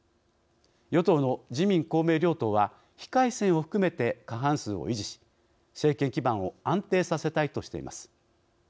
与党の自民・公明両党は非改選を含めて過半数を維持し政権基盤を安定させたいとしています。